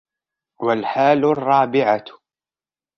وَالْحَالُ الرَّابِعَةُ